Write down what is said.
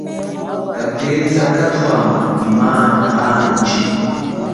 Kapeza katwama nyi mana andji.